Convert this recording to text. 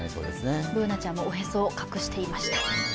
Ｂｏｏｎａちゃんもおへそを隠していました。